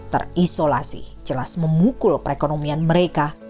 terisolasi jelas memukul perekonomian mereka